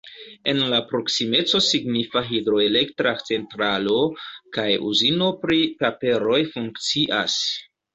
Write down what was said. En la proksimeco signifa hidroelektra centralo kaj uzino pri paperoj funkcias.